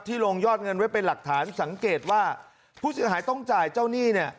ลงยอดเงินไว้เป็นหลักฐานสังเกตว่าผู้เสียหายต้องจ่ายเจ้าหนี้เนี่ย